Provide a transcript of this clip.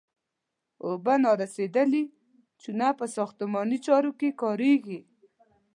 اوبه نارسیدلې چونه په ساختماني چارو کې کاریږي.